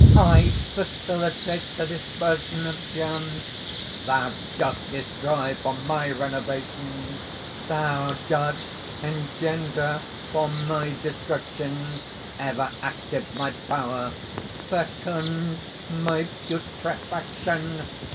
"I facilitate the dispersion of germs!" "Thou dost destroy for my renovations!" "Thou dost engender for my destructions!" "Ever active my power!" "Fecund, my putrefaction!"